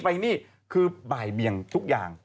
ปลายเบี่ยงทุกอย่าง